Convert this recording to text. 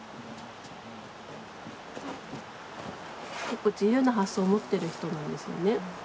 結構自由な発想を持ってる人なんですよね。